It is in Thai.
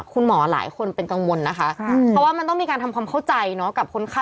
ขอบคุณหมอหลายคนเป็นกังวลนะคะ